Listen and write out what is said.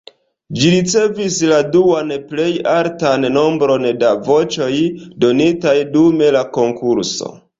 Ĝi ricevis la duan plej altan nombron da voĉoj donitaj dum la konkurso.